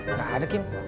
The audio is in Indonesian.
nggak ada kim